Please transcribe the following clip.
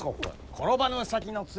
転ばぬ先の杖！